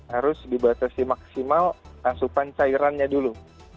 harus dibatasi maksimal asupan cairannya dulu